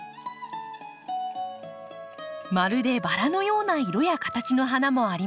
まるでバラのような色や形の花もあります。